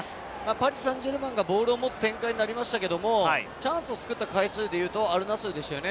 パリ・サンジェルマンがボールを持つ展開なりましたけれど、チャンスを作った回数で言うとアルナスルですよね。